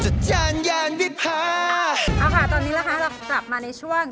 เอาค่ะตอนนี้ล่ะคะเรากลับมาในช่วง